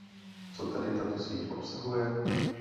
Co tedy tato síť obsahuje?